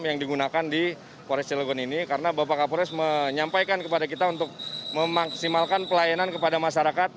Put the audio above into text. yang digunakan di polres cilegon ini karena bapak kapolres menyampaikan kepada kita untuk memaksimalkan pelayanan kepada masyarakat